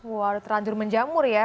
wah terlanjur menjamur ya